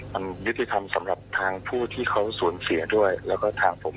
มันยุติธรรมสำหรับทางผู้ที่เขาสูญเสียด้วยแล้วก็ทางผม